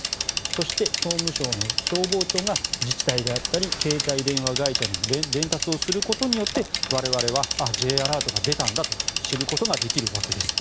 そして、総務省の消防庁が自治体であったり携帯電話会社に伝達をすることによって我々はＪアラートが出たんだと知ることができるわけです。